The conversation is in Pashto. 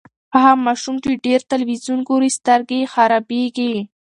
هغه ماشوم چې ډېر تلویزیون ګوري، سترګې یې خرابیږي.